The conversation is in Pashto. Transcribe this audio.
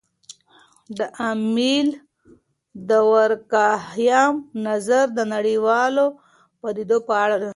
د امیل دورکهايم نظر د نړیوالو پدیدو په اړه دی.